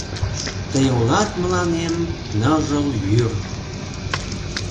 Тый улат мыланем ныжыл йӱр.